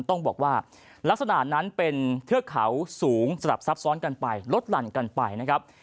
ต้องบอกว่าลักษณะนั้นเป็นเทือกเขาสูงสลับซับซ้อนกันไปลดหลั่นกันไปนะครับ